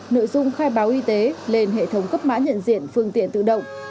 nội dung khai báo y tế lên hệ thống cấp mã nhận diện phương tiện tự động